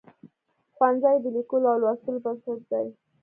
ښوونځی د لیکلو او لوستلو بنسټ دی.